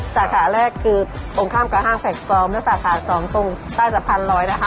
สาขาแรกคือตรงข้ามกระห้างแฟคกรอมและสาขาสองตรงได้จากพันร้อยนะคะ